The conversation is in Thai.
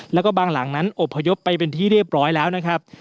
แล้วก็บางหลังนั้นอบพยพไปเป็นที่เรียบร้อยแล้วนะครับ